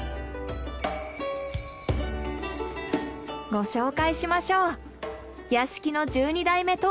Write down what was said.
ご紹介しましょう。